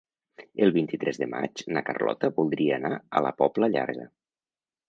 El vint-i-tres de maig na Carlota voldria anar a la Pobla Llarga.